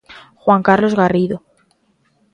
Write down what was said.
Juan Carlos Garrido.